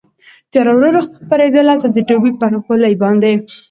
تېاره ورو ورو خپرېدل، زه د ډبې پر غولي باندې.